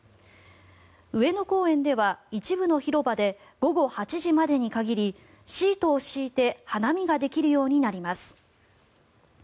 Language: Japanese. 上野公園では一部の広場で午後８時までに限りシートを敷いて花見ができるようになります。